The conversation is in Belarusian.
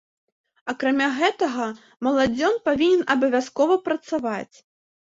Акрамя гэтага, маладзён павінен абавязкова працаваць.